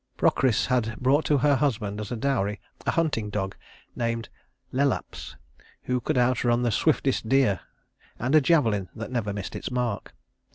Procris had brought to her husband as a dowry a hunting dog named Lelaps, who could outrun the swiftest deer, and a javelin that never missed its mark.